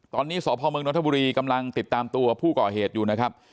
ตอนนี้สพเมืองนทบุรีกำลังติดตามตัวผู้ก่อเหตุอยู่นะครับ